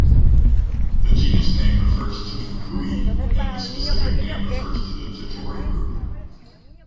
The genus name refers to Fukui and the specific name refers to the Tetori group.